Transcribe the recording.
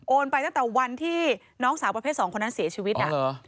ไปตั้งแต่วันที่น้องสาวประเภทสองคนนั้นเสียชีวิต